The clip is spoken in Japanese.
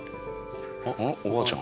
あっおばあちゃん？